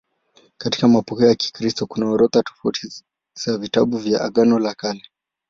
Katika mapokeo ya Kikristo kuna orodha tofauti za vitabu vya Agano la Kale.